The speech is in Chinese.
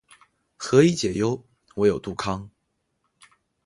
何以解忧，唯有杜康